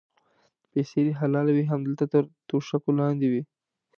پیسې دې حلالې وې هملته تر توشکه لاندې وې.